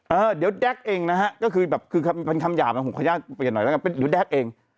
เออเดี๋ยวแด็กเองนะฮะก็คือแบบคือคำหย่าของขยะเปลี่ยนหน่อยแล้วกันหรือแด็กเอง